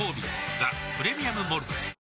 「ザ・プレミアム・モルツ」